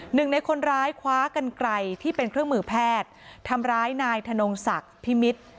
หนึ่งในคนร้ายคว้ากันไกลที่เป็นเครื่องมือแพทย์ทำร้ายนายธนงศักดิ์พิมิตร